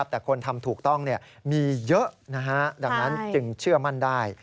แต่คนทำถูกต้องมีเยอะดังนั้นจึงเชื่อมั่นได้